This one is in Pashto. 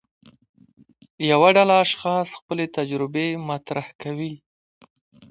یوه ډله اشخاص خپلې تجربې مطرح کوي.